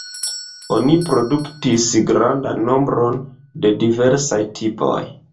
Oni produktis grandan nombron de diversaj tipoj.